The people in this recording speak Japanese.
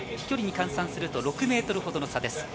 距離に換算すると６ｍほどの差です。